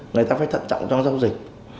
người ta phải thận trọng trong giao dịch